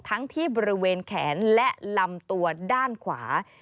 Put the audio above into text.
ทั้งที่บริเวณแขนและลำตัวด้านขวา